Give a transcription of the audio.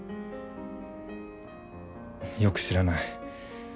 よく知らない。